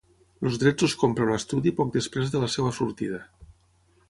Els drets els compra un estudi poc temps després de la seva sortida.